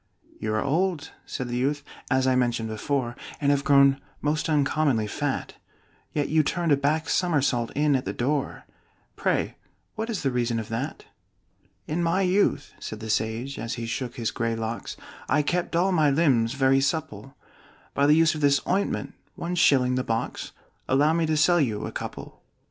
"You are old," said the youth, "as I mentioned before, And have grown most uncommonly fat; Yet you turned a back somersault in at the door Pray what is the reason of that?" "In my youth," said the sage, as he shook his gray locks, "I kept all my limbs very supple By the use of this ointment one shilling the box Allow me to sell you a couple."